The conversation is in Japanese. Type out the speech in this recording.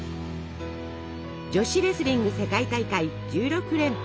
女子レスリング世界大会１６連覇。